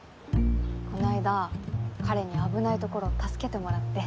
こないだ彼に危ないところを助けてもらって。